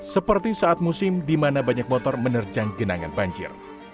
seperti saat musim dimana banyak motor menerjang genangan banjir